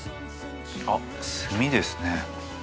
あっ墨ですね。